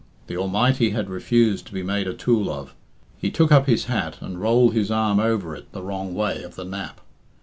The Almighty had refused to be made a tool of. He took up his hat and rolled his arm over it the wrong way of the nap.